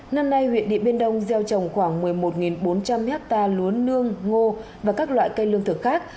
năm nay huyện điện biên đông gieo trồng khoảng một mươi một bốn trăm linh hectare lúa nương ngô và các loại cây lương thực khác